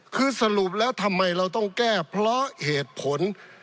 คือสรุปแล้วทำไมเราต้องแก้เพราะเหตุผล